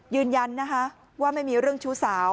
ยืนยันนะคะว่าไม่มีเรื่องชู้สาว